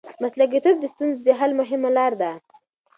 مسلکیتوب د ستونزو د حل مهمه لار ده.